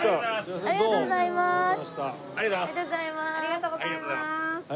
ありがとうございます。